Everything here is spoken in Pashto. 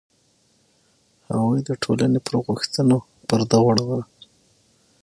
هغوی د ټولنې پر غوښتنو پرده غوړوله.